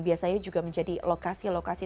biasanya juga menjadi lokasi lokasi